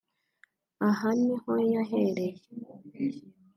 Aho niho yahereye